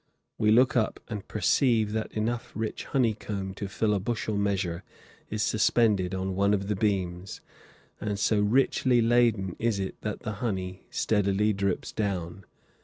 We look up and perceive that enough rich honey comb to fill a bushel measure is suspended on one of the beams, and so richly laden is it that the honey steadily drips down.